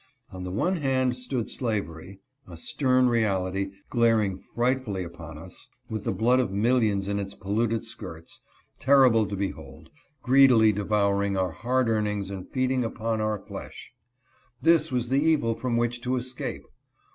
On the one hand stood slavery, a stern reality glaring frightfully 200 FEARS AND WAVERINGS. upon us, with the blood of millions in its polluted skirts, terrible to behold, greedily devouring our hard earnings and feeding upon our flesh. This was the evil from which to escape.